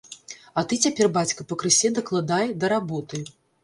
А ты цяпер, бацька, пакрысе дакладай да работы.